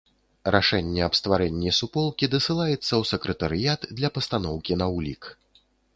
Рашэнне аб стварэнні суполкі дасылаецца ў сакратарыят для пастаноўкі на ўлік.